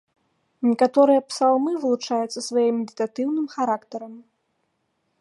Некаторыя псалмы вылучаюцца сваім медытатыўным характарам.